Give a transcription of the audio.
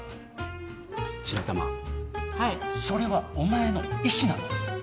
白玉はいそれはお前の意思なの？